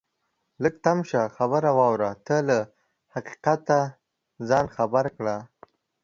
لږ تم شه خبره واوره ته له حقیقته ځان خبر کړه